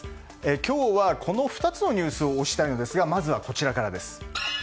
今日は、この２つのニュースを推したいのですがまずはこちらからです。